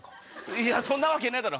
いやそんなわけねえだろ！